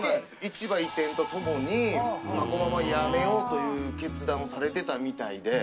市場移転とともにマコママ辞めようという決断されてたみたいで。